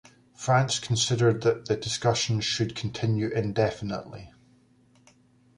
France considered that the discussions should continue indefinitely.